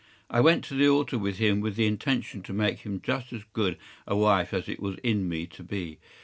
I went to the altar with him with the intention to make him just as good a wife as it was in me to be.